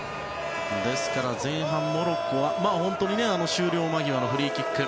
前半モロッコは本当に終了間際のフリーキック。